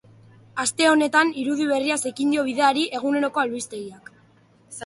Aste honetan irudi berriaz ekin dio bideari eguneroko albistegiak.